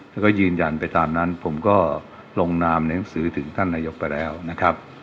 แล้วก็ยืนยันไปตามนั้นผมก็ลงนามในหนังสือถึงท่านนายกไปแล้วนะครับ